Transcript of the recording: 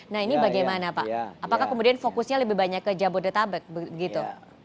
nah ini bagaimana pak apakah kemudian fokusnya lebih banyak ke jabodetabek begitu